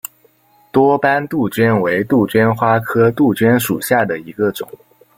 多斑杜鹃为杜鹃花科杜鹃属下的一个种。